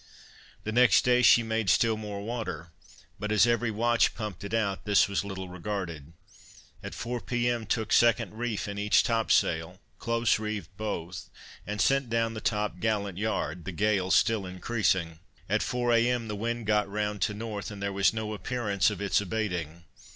The next day she made still more water, but as every watch pumped it out, this was little regarded. At four P. M. took second reef in each top sail, close reefed both, and sent down top gallant yard; the gale still increasing. At four A. M. the wind got round to N. and there was no appearance of its abating.